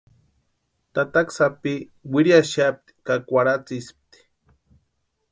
Tataka sápi wiriaxapti ka kwarhatsïspti.